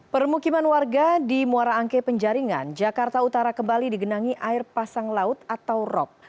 permukiman warga di muara angke penjaringan jakarta utara kembali digenangi air pasang laut atau rop